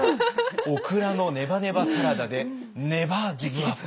オクラのネバネバサラダでネバーギブアップ！」。